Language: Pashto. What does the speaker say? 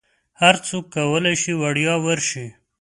هرڅوک کولی شي وړیا ورشي.